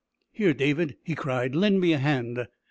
"Here, David," he cried, "lend a hand."